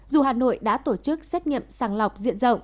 dù hà nội đã tổ chức xét nghiệm sàng lọc diện rộng